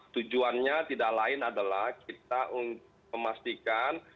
tujuannya tidak lain adalah kita memastikan